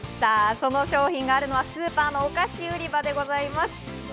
その商品があるのはスーパーのお菓子売り場です。